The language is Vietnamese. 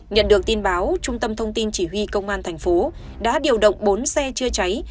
nhận được tin báo trung tâm thông tin chỉ huy công an thành phố đã điều động bốn xe chữa cháy